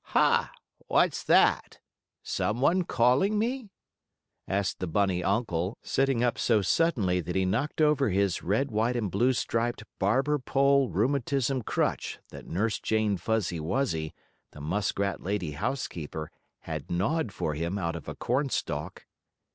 "Ha! What's that? Some one calling me?" asked the bunny uncle, sitting up so suddenly that he knocked over his red, white and blue striped barber pole rheumatism crutch that Nurse Jane Fuzzy Wuzzy, the muskrat lady housekeeper, had gnawed for him out of a corn stalk.